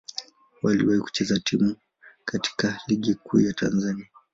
Waliwahi kucheza katika Ligi Kuu ya Tanzania.